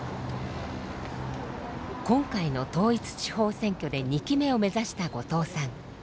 今回の統一地方選挙で２期目を目指した後藤さん。